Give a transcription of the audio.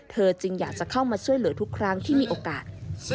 จึงอยากจะเข้ามาช่วยเหลือทุกครั้งที่มีโอกาส